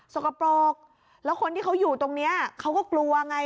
สกปรกแล้วคนที่เขาอยู่ตรงนี้เขาก็กลัวไง